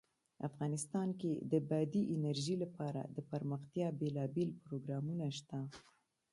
افغانستان کې د بادي انرژي لپاره دپرمختیا بېلابېل پروګرامونه شته.